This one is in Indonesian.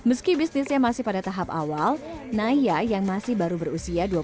meski bisnisnya masih pada tahap awal naya yang masih baru berusia dua puluh tiga tahun ini optimistik